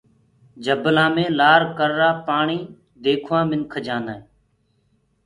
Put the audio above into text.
جبلآ مي لآر ڪرآ پآڻي ديکوآ منک جآندآ هينٚ۔